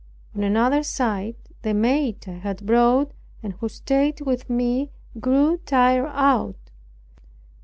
On another side, the maid I had brought, and who stayed with me, grew tired out.